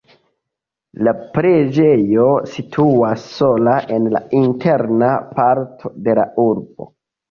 La preĝejo situas sola en la interna parto de la urbo.